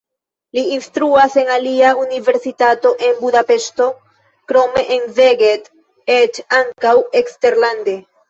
Li instruas en alia universitato en Budapeŝto, krome en Szeged, eĉ ankaŭ eksterlande.